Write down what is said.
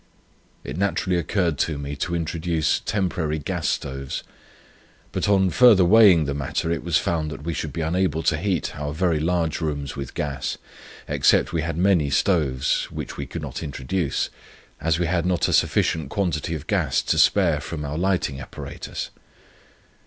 It naturally occurred to me, to introduce temporary gas stoves; but on further weighing the matter, it was found, that we should be unable to heat our very large rooms with gas, except we had many stoves, which we could not introduce, as we had not a sufficient quantity of gas to spare from our lighting apparatus.